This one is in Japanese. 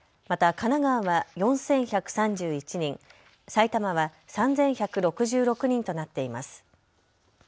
また神奈川は４１３１人、埼玉は３１６６人となっています。